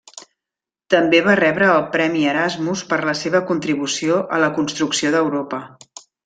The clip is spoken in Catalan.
També va rebre el Premi Erasmus per la seva contribució a la construcció d'Europa.